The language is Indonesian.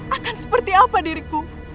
akan seperti apa diriku